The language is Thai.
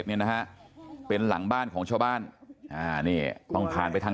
แล้วผมเข้ามายุ่งมาว่ามันเหมือนว่าก็เลยเป็น